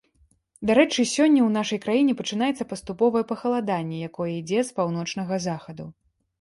Дарэчы, сёння ў нашай краіне пачынаецца паступовае пахаладанне, якое ідзе з паўночнага захаду.